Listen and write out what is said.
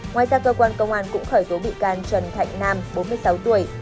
ngoài ra cơ quan công an cũng khởi tố bị can trần thạnh nam bốn mươi sáu tuổi